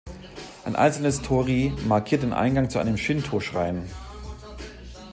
Ein einzelnes Torii markiert den Eingang zu einem Shintō-Schrein.